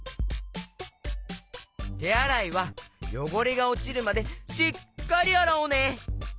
てあらいはよごれがおちるまでしっかりあらおうね！